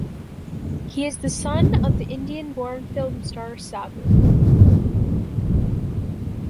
He is the son of Indian-born film star Sabu.